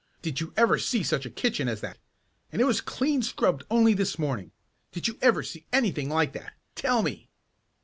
"Did you ever see such a kitchen as that? And it was clean scrubbed only this morning! Did you ever see anything like that? Tell me!"